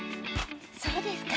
そうですか。